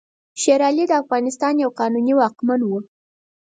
شېر علي د افغانستان یو قانوني واکمن وو.